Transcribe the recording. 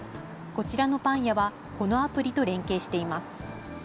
こちらのパン屋は、このアプリと連携しています。